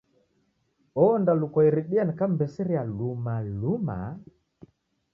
Ondalukwa iridia nikam'mbeseria luma luma.